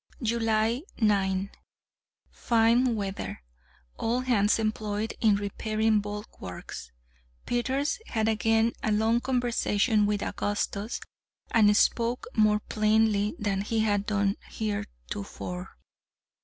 July 9th. Fine weather. All hands employed in repairing bulwarks. Peters had again a long conversation with Augustus, and spoke more plainly than he had done heretofore.